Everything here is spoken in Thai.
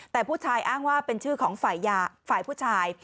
แต่ผู้ชายอ้างว่าเป็นชื่อของฝ่ายผู้ชาย